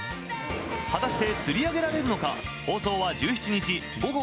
果たして釣り上げられるのか。